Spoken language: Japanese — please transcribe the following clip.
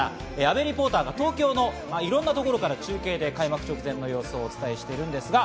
今日で１０日ということで昨日から阿部リポーターが東京のいろんなところから中継で開幕直前の様子をお伝えしています。